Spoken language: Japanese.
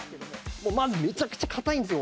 まずめちゃくちゃ硬いんですよ